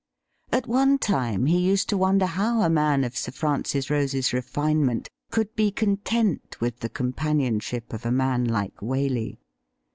At one time he used to wonder how a man of Sir Francis Rose''s refinement could be content with the companionship of a man like Waley.